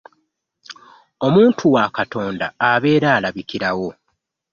Omuntu wa Katonda abeera alabikirawo.